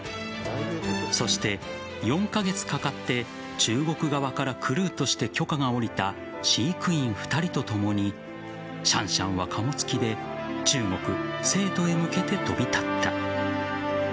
そして４カ月かかって中国側からクルーとして許可が下りた飼育員２人とともにシャンシャンは、貨物機で中国・成都へ向けて飛び立った。